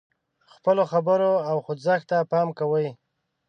خپلو خبرو او خوځښت ته پام کوي.